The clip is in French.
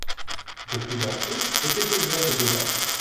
Beaucoup d'entre eux étaient éleveurs de bovins.